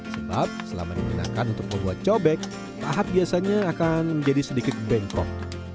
sebab selama digunakan untuk membuat cobek tahap biasanya akan menjadi sedikit bengkrok